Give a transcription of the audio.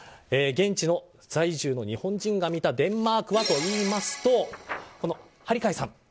現地在住の日本人が見たデンマークはといいますと針貝さん。